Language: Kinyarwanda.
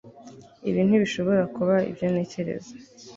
ibi ntibishobora kuba ibyo ntekereza